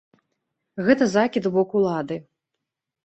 Гэта закід у бок улады.